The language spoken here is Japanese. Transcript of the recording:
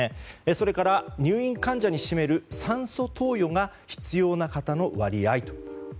それから入院患者に占める酸素投与が必要な方の割合と。